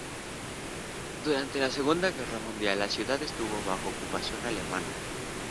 Durante la Segunda Guerra Mundial, la ciudad estuvo bajo ocupación alemana.